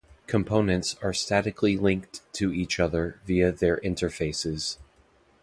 Components are statically linked to each other via their interfaces.